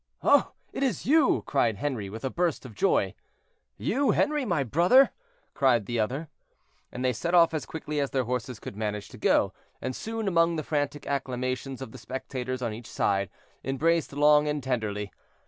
"Oh! it is you!" cried Henri, with a burst of joy. "You, Henri! you, my brother!" cried the other. And they set off as quickly as their horses could manage to go, and soon, among the frantic acclamations of the spectators on each side, embraced long and tenderly.